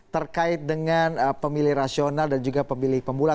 terkait dengan pemilih rasional dan juga pemilih pemula